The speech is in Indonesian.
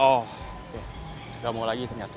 oh nggak mau lagi ternyata